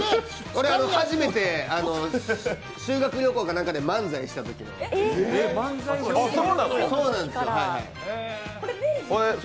これ、初めて修学旅行か何かで漫才したときのです。